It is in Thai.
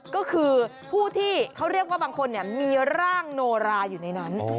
ก็คือผู้ที่เขาเรียกว่าบางคนมีร่างโนราอยู่ในนั้น